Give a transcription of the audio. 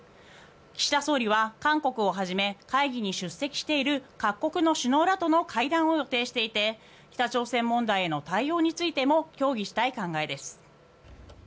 岸田総理は韓国をはじめ会議に出席している各国の首脳らとの会談を予定していて北朝鮮問題への対応についても協議したい考えです。